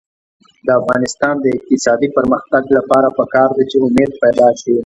د افغانستان د اقتصادي پرمختګ لپاره پکار ده چې امید پیدا شي.